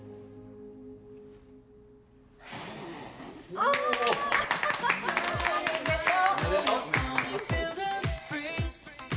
おめでとうございます。